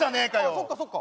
そっかそっか。